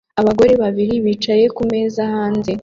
Abagore babiri bicaye kumeza hanze